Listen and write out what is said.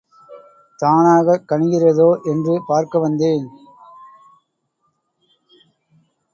தானாகக் கணிகிறதோ என்று பார்க்க வந்தேன்.